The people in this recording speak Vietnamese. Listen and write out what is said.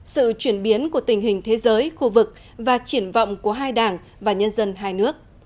sự chuyển biến của tình hình thế giới khu vực và triển vọng của hai đảng và nhân dân hai nước